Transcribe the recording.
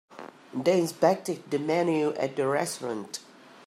They inspected the menu at the restaurant.